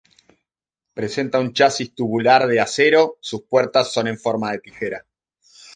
Presenta un chasis tubular de acero, sus puertas son en forma de tijera.